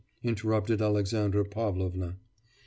interrupted Alexandra Pavlovna.